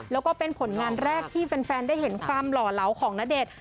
แล้วก็เป็นผลงานแรกที่แฟนได้เห็นความหล่อเหลาของณเดชน์